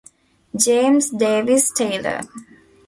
James Davis Taylor.